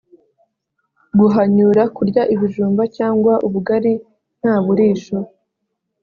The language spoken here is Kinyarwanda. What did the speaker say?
guhanyura kurya ibijumba cyangwa ubugari nta burisho